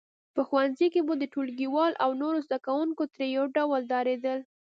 په ښوونځي کې به یې ټولګیوال او نور زده کوونکي ترې یو ډول ډارېدل